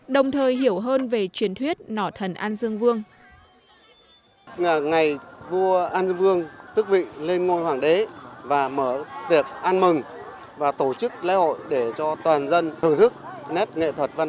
đồng thời hiểu hơn về truyền thuyết nỏ thần an dương vương